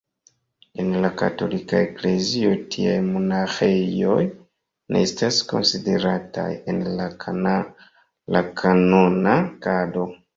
En la Katolika Eklezio tiaj monaĥejoj ne estas konsiderataj en la Kanona Kodo.